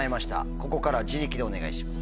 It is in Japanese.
ここからは自力でお願いします。